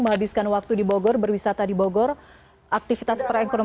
menghabiskan waktu di bogor berwisata di bogor aktivitas perekonomian